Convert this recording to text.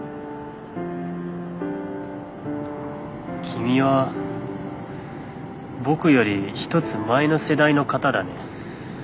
君は僕より１つ前の世代の型だね。